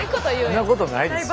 そんなことないですよ。